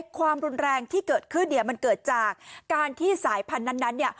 ความรุนแรงที่เกิดขึ้นเนี่ยมันเกิดจากการที่สายพันธุ์นั้น